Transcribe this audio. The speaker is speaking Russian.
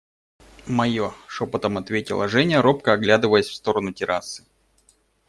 – Мое, – шепотом ответила Женя, робко оглядываясь в сторону террасы.